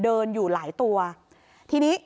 พอหลังจากเกิดเหตุแล้วเจ้าหน้าที่ต้องไปพยายามเกลี้ยกล่อม